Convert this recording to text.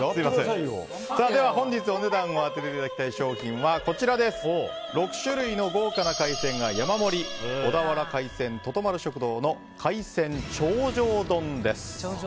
本日お値段を当てていただきたい商品は６種類の豪華な海鮮が山盛り小田原海鮮とと丸食堂の海鮮頂上丼です。